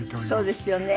そうですよね。